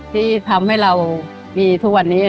ที่ทำให้เรามีทุกวันนี้